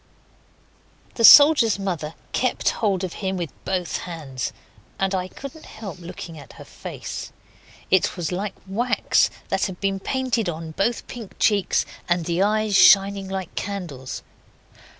The soldier's mother kept hold of him with both hands, and I couldn't help looking at her face. It was like wax that had been painted on both pink cheeks, and the eyes shining like candles.